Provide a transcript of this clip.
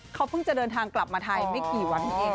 เขาเพิ่งจะเดินทางกลับมาไทยไม่กี่วันนี้เอง